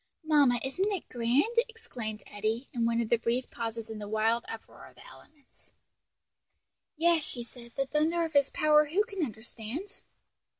"Mamma, isn't it grand?" exclaimed Eddie, in one of the brief pauses in the wild uproar of the elements. "Yes," she said, "the thunder of his power who can understand?"